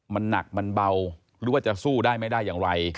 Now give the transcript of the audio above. มันหนักมันเบาหรือว่าจะสู้ได้ไม่ได้อย่างไร